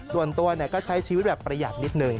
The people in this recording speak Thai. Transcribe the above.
ส่วนตัวก็ใช้ชีวิตแบบประหยัดนิดนึง